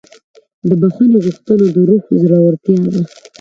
د بښنې غوښتنه د روح زړورتیا ده.